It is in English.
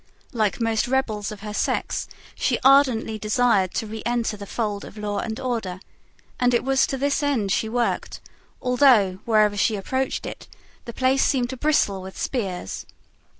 Like most rebels of her sex, she ardently desired to re enter the fold of law and order; and it was to this end she worked, although, wherever she approached it, the place seemed to bristle with spears.